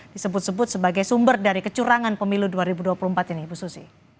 disebut sebut sebagai sumber dari kecurangan pemilu dua ribu dua puluh empat ini ibu susi